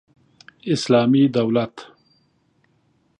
اسلامي دولت